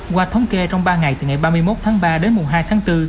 qua thống kê trong ba ngày từ ngày ba mươi một tháng ba đến mùng hai tháng bốn